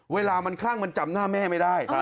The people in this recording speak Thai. เวลามันคลั่งมันจำหน้าแม่ไม่ได้